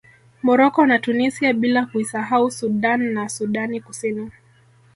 Morocco na Tunisia bila kuisahau Sudan na Sudani Kusini